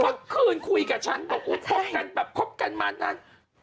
เมื่อคืนคุยกับฉันพบกันมานาน